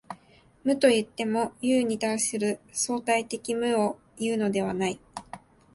無といっても、有に対する相対的無をいうのではない。